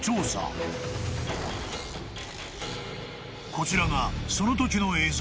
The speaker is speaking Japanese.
［こちらがそのときの映像］